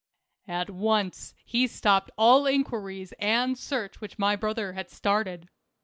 At once he stopped all inquiries and search which my brother had started.